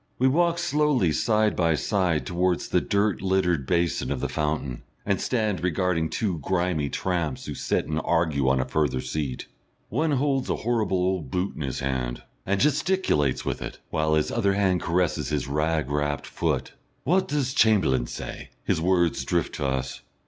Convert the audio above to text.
We walk slowly side by side towards the dirt littered basin of the fountain, and stand regarding two grimy tramps who sit and argue on a further seat. One holds a horrible old boot in his hand, and gesticulates with it, while his other hand caresses his rag wrapped foot. "Wot does Cham'lain si?" his words drift to us.